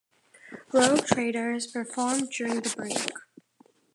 Rogue Traders performed during the break.